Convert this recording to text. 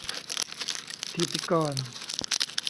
ฐิติกร